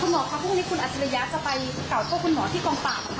คุณหมอครับพรุ่งนี้คุณอาจารยาจะไปเก่าพวกคุณหมอที่กล่องปากค่ะ